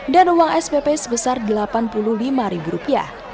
dan uang spp sebesar rp delapan puluh lima